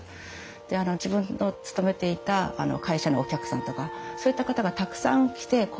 で自分の勤めていた会社のお客さんとかそういった方がたくさん来て交流されてた。